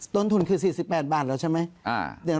ต้นทุนคือ๔๘บาทแล้วใช่ไหม